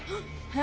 え？